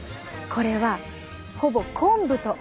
これはほぼ昆布と同じ！